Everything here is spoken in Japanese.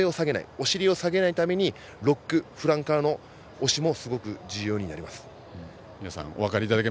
お尻を下げないためにロック、フランカーの押しもすごく重要になります。